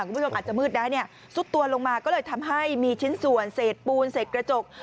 คุณผู้ชมอาจจะมืดได้เนี่ยซุดตัวลงมาก็เลยทำให้มีชิ้นส่วนเศษปูนเศษกระจก